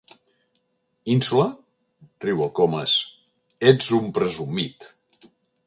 Ínsula? —riu el Comas— Ets un presumit!